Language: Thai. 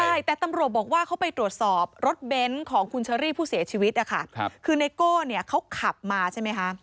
ใช่แต่ตำรวจบอกว่าเขาไปตรวจสอบรถเบนท์ของคุณเชอรี่ผู้เสียชีวิตนะคะคือไนโก้เนี่ยเขาขับมาใช่ไหมคะ